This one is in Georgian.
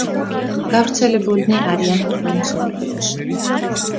გავრცელებულნი არიან მთელ მსოფლიოში.